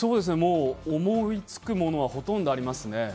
思いつくものはほとんどありますね。